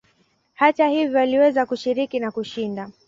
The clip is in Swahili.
Hata hivyo aliweza kushiriki na kushinda.